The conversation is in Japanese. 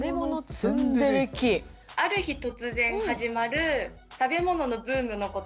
ある日突然始まる食べ物のブームのことで。